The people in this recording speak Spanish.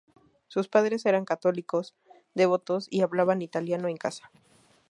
Sus padres eran católicos devotos y hablaban italiano en casa.